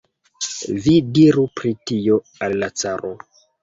Vi diru pri tio al la caro!